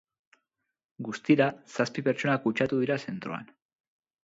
Guztira, zazpi pertsona kutsatu dira zentroan.